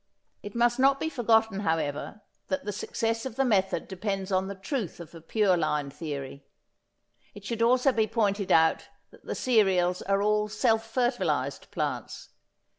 It must not be forgotten, however, that the success of the method depends on the truth of the pure line theory. It should also be pointed out that the cereals are all self fertilised plants.